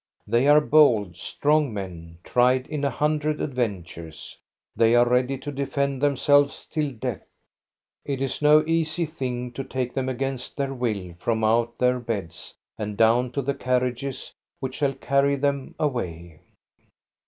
They are bold, strong men, tried in a hundred adven tures ; they are ready to defend themselves till death ; it is no easy thing to take them against their will from out their beds and down to the carriages which shall carry them away.